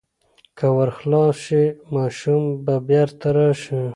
که ور خلاص شي، ماشوم به بیرته راشي.